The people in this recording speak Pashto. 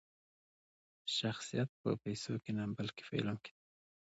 شخصیت په پیسو کښي نه؛ بلکي په علم کښي دئ.